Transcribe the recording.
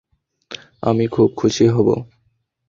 আমি খুব খুশি হব।